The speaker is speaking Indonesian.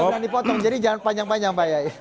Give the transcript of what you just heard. ini saya sudah dipotong jadi jangan panjang panjang pak yai